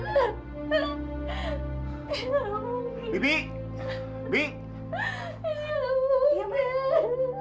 dia akan meninggal asyik